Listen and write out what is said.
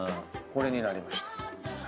これになりました。